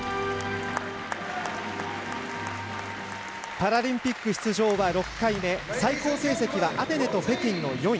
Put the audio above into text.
パラリンピック出場は６回目最高成績はアテネと北京の４位。